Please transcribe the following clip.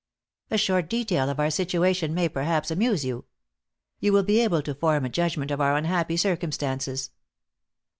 A short detail of our situation may perhaps amuse you. You will be able to form a judgment of our unhappy circumstances.